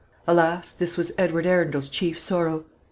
Alas, this was Edward Arundel's chief sorrow!